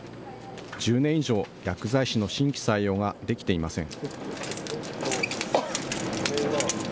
１０年以上、薬剤師の新規採用ができていません。